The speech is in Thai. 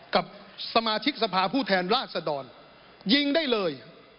กับสมาชิกสภาผู้แทนราชดรยิงได้เลย